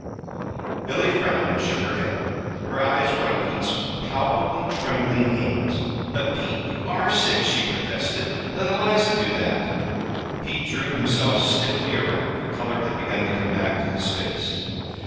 Billy frowned and shook her head. Her eyes were on Pete's palpably trembling hands. "But, Pete, you are sick," she protested. "Let Eliza do that." Pete drew himself stiffly erect. The color had begun to come back to his face.